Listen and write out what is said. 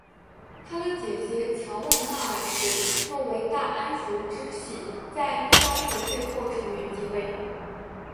他的姐姐乔万娜二世作为大安茹支系在意大利的最后成员继位。